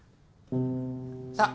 さあ